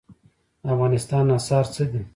د افغانستان اسعار څه دي؟